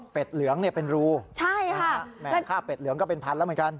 เพ็ดเหลืองเป็นรูแม้ค่าเป็ดเหลืองเป็นพันแล้วเหมือนกัน